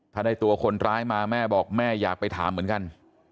ถ้าได้ตัวคนร้ายมาแม่บอกแม่อยากไปถามเหมือนกัน